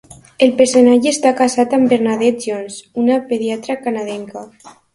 El personatge està casat amb Bernadette Jones, una pediatra canadenca.